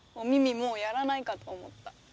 もうやらないかと思った。